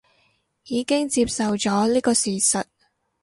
已經接受咗呢個現實